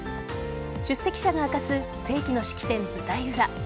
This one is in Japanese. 出席者が明かす世紀の式典舞台裏。